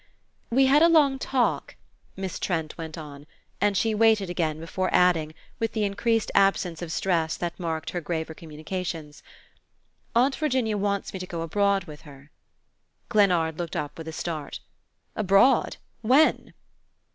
"We had a long talk," Miss Trent went on; and she waited again before adding, with the increased absence of stress that marked her graver communications, "Aunt Virginia wants me to go abroad with her." Glennard looked up with a start. "Abroad? When?"